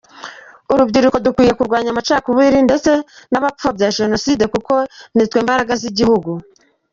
Urubyiruko dukwiriye kurwanya amacakubiri ndetse n’abapfobya Jenoside kuko nitwe mbaraga z’igihugu”.